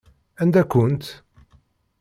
Anda-kent?